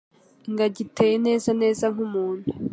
ingagi iteye neza neza nk'umuntu